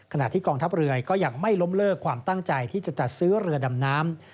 ที่กองทัพเรือก็ยังไม่ล้มเลิกความตั้งใจที่จะจัดซื้อเรือดำน้ำ